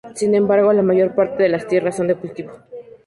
Sin embargo la mayor parte de las tierras son de cultivo.